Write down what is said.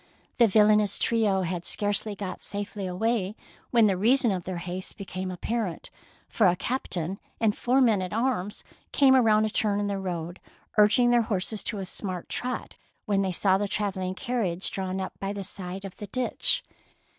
The villainous trio had scarcely got safely away, when the reason of their haste became apparent, for a captain and four men at arms came around a turn in the road, urging their horses to a smart trot, when they saw the travel ling carriage drawn up by the side of the ditch.